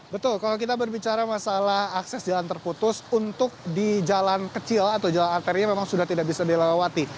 betul kalau kita berbicara masalah akses jalan terputus untuk di jalan kecil atau jalan arteria memang sudah tidak bisa dilewati